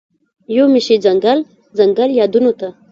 یومي شي ځنګل، ځنګل یادونوته